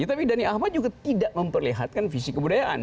tapi dhani ahmad juga tidak memperlihatkan visi kebudayaan